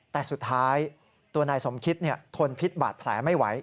แต่สุดท้ายตัวนายสมคิตทนพิษบาดแผลไม่ไหว